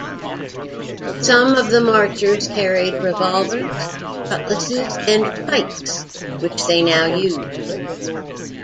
Some of the marchers carried revolvers, cutlasses and pikes which they now used.